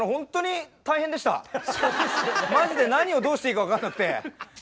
マジで何をどうしていいか分かんなくて。